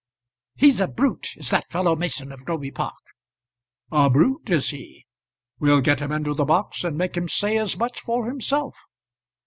"He's a brute; is that fellow, Mason of Groby Park." "A brute; is he? We'll get him into the box and make him say as much for himself.